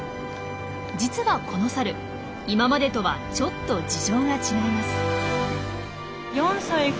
実はこのサル今までとはちょっと事情が違います。